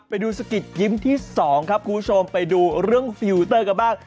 ไปดูสกิดยิ้มที่สองครับคุณผู้ชมไปดูเรื่องฟิลเตอร์กันบ้าง